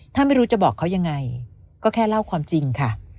ถ้าไม่รู้จะบอกเขายังไงก็แค่เล่าความจริงค่ะ